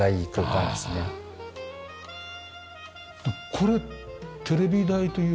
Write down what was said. これテレビ台というか。